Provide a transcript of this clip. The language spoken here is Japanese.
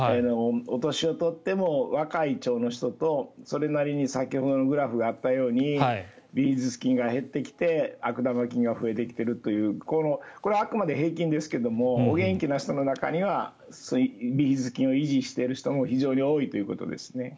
お年を取っても若い腸の人とそれなりに先ほどのグラフにあったようにビフィズス菌が減ってきて悪玉菌が増えてきてるというこれはあくまで平均ですけどお元気な人の中にはビフィズス菌を維持している人も非常に多いということですね。